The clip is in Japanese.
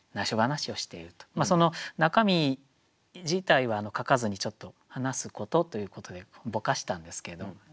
その中身自体は書かずにちょっと「話すこと」ということでぼかしたんですけど。